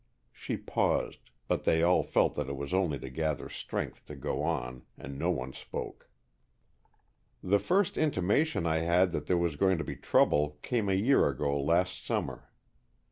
She paused, but they all felt that it was only to gather strength to go on, and no one spoke. "The first intimation I had that there was going to be trouble came a year ago last summer.